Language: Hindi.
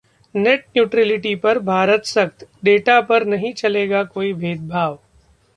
नेट न्यूट्रैलिटी पर भारत सख्त, डेटा पर नहीं चलेगा कोई भेदभाव